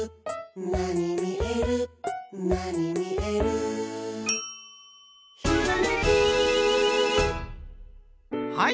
「なにみえるなにみえる」「ひらめき」はい！